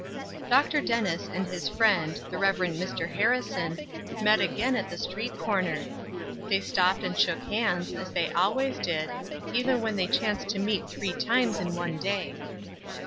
DR. DENNIS and his friend, the Rev. Mr. Harrison met again at the street corner; they stopped and shook hands, as they always did, even if they chanced to meet three times in one day.